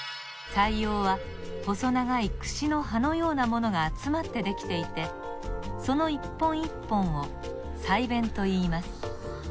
鰓葉は細長いくしの歯のようなものがあつまってできていてこの一本一本を鰓弁といいます。